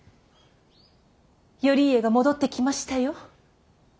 頼家が戻ってきましたよ。